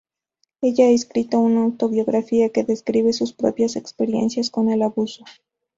Ella ha escrito una autobiografía que describe sus propias experiencias con el abuso.